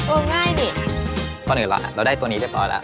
เอิ่มง่ายนี่ตอบนี้แหละอ่ะเราได้ตัวนี้เรียบร้อยแล้ว